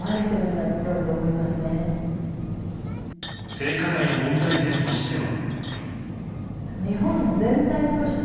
性加害の問題点としては。